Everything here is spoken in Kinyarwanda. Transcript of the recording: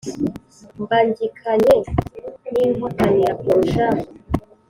Mbangikanye n'Inkotanira kurusha,